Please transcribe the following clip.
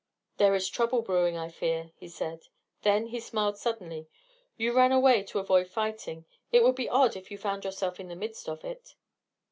"There is trouble brewing, I fear," he said. Then he smiled suddenly. "You ran away to avoid fighting. It would be odd if you found yourself in the midst of it."